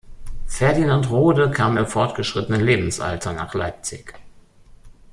Ferdinand Rhode kam im fortgeschrittenen Lebensalter nach Leipzig.